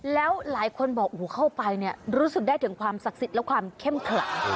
แล้วหลายคนบอกโอ้โหเข้าไปเนี่ยรู้สึกได้ถึงความศักดิ์สิทธิ์และความเข้มขลัง